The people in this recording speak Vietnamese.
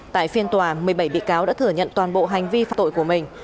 tại phiên tòa một mươi bảy bị cáo đã thừa nhận toàn bộ hành vi phạm tội của mình